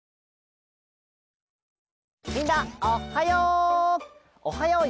みんなおっはよう！